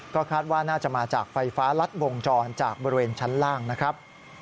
ก็คาดว่าน่าจะมาจากไฟฟ้ารัดวงจรจากบริเวณชั้นล่างนะครับ